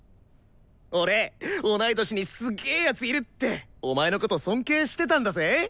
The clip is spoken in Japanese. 俺「同い年にすげ奴いる」ってお前のこと尊敬してたんだぜ。